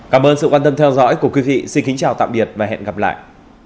cảm ơn các bạn đã theo dõi và hẹn gặp lại